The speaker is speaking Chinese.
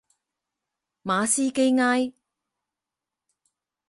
马斯基埃。